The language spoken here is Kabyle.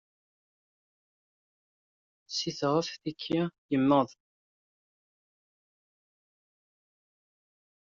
Da ay iḥebbes usakal?